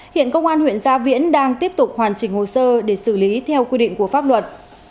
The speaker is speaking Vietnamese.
hiện công an huyện gia viễn đang tiếp tục hoàn chỉnh hồ sơ để xử lý theo quy định của pháp luật